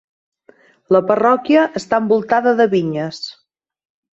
La parròquia està envoltada de vinyes.